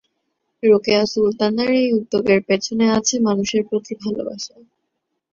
রোকেয়া সুলতানার এই উদ্যোগের পেছনে আছে মানুষের প্রতি ভালোবাসা।